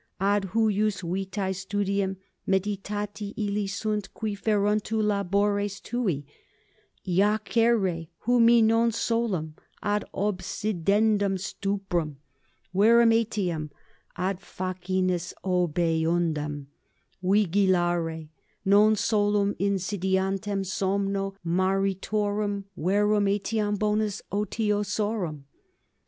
Ad huius vitae studium meditati illi sunt qui feruntur labores tui, iacere humi non solum ad obsidendum stuprum, verum etiam ad facinus obeundum, vigilare non solum insidiantem somno maritorum, verum etiam bonis otiosorum.